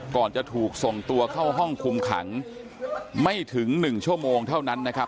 ก่อนจะถูกส่งตัวเข้าห้องคุมขังไม่ถึง๑ชั่วโมงเท่านั้นนะครับ